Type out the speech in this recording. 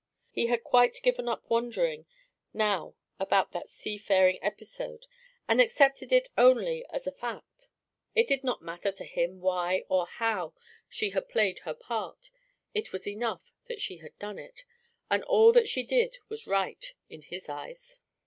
He had quite given up wondering now about that seafaring episode, and accepted it only as a fact. It did not matter to him why or how she had played her part; it was enough that she had done it, and all that she did was right in his eyes.